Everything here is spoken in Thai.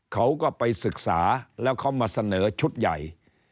เขาก็ไปศึกษาแล้วเขามาเสนอชุดใหญ่